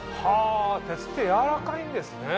鉄ってやわらかいんですね。